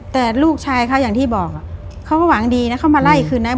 แต่ลูกชายเขาอย่างที่บอกเขาก็หวังดีนะเขามาไล่คืนนะ